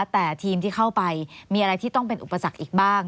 แต่ทีมที่เข้าไปมีอะไรที่ต้องเป็นอุปสรรคอีกบ้าง